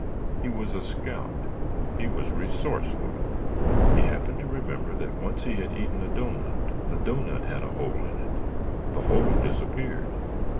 He was a scout—he was resourceful. He happened to remember that once he had eaten a doughnut. The doughnut had a hole in it. The hole disappeared.